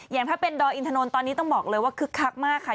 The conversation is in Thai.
อย่างถ้าเป็นดอยอินทนนท์ตอนนี้ต้องบอกเลยว่าคึกคักมากค่ะ